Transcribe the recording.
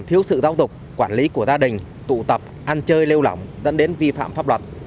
thiếu sự giáo dục quản lý của gia đình tụ tập ăn chơi lêu lỏng dẫn đến vi phạm pháp luật